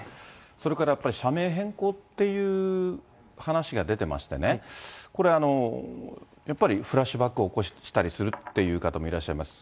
それからやっぱり、社名変更っていう話が出てましてね、これ、やっぱりフラッシュバックを起こしたりするっていう方もいらっしゃいます。